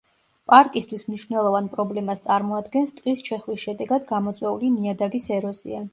პარკისთვის მნიშვნელოვან პრობლემას წარმოადგენს ტყის ჩეხვის შედეგად გამოწვეული ნიადაგის ეროზია.